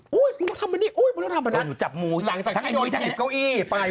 โอ๊ยมึงต้องทำแบบนี้โอ๊ยมึงต้องทำแบบนั้นหลังจากที่โดนถิ่นเก้าอี้ไป